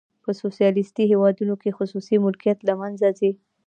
په سوسیالیستي هیوادونو کې خصوصي ملکیت له منځه ځي.